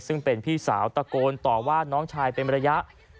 ซึ่งเป็นพี่สาวตะโกนต่อว่าน้องชายเป็นระยะ